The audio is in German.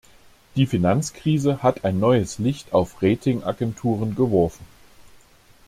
Die Finanzkrise hat ein neues Licht auf Rating-Agenturen geworfen.